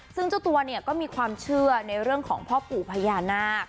ซึ่งเจ้าตัวเนี่ยก็มีความเชื่อในเรื่องของพ่อปู่พญานาค